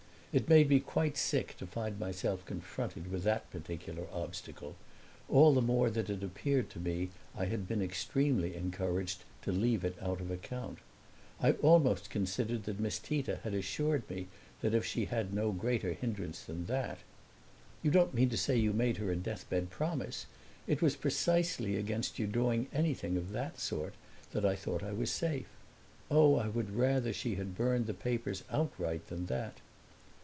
It made me quite sick to find myself confronted with that particular obstacle; all the more that it appeared to me I had been extremely encouraged to leave it out of account. I almost considered that Miss Tita had assured me that if she had no greater hindrance than that ! "You don't mean to say you made her a deathbed promise? It was precisely against your doing anything of that sort that I thought I was safe. Oh, I would rather she had burned the papers outright than that!"